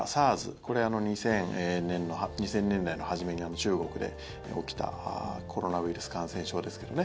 これ、２０００年代の初めに中国で起きたコロナウイルス感染症ですけどね